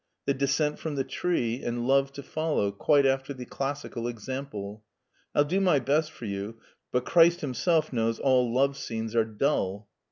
The descent from the tree, and love to follow, quite after the classical example. I'll do my best for you, but Christ Himself knows all love scenes are dull."